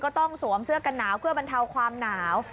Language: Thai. ต้องสวมเสื้อกันหนาวเพื่อบรรเทาความหนาว